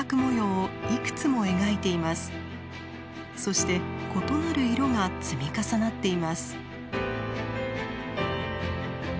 そして異なる色が積み重なっています。